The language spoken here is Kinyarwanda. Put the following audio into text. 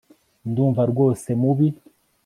Ndumva rwose mubi